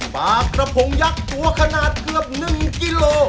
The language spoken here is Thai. ปลากระพงยักษ์ตัวขนาดเกือบ๑กิโล